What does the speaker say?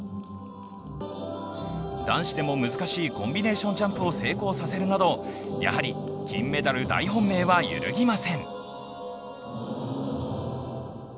男子でも難しいコンビネーションジャンプを成功させるなどやはり金メダル大本命は揺るぎません。